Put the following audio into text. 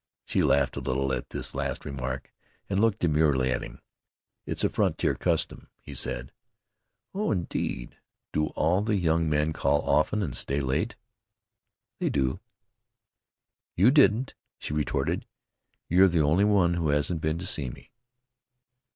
She laughed a little at this last remark, and looked demurely at him. "It's a frontier custom," he said. "Oh, indeed? Do all the young men call often and stay late?" "They do." "You didn't," she retorted. "You're the only one who hasn't been to see me."